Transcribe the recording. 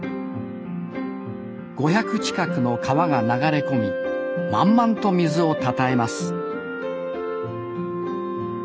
５００近くの川が流れ込み満々と水をたたえます